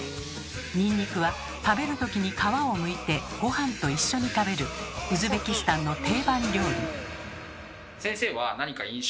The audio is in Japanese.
ニンニクは食べるときに皮をむいてごはんと一緒に食べるウズベキスタンの定番料理。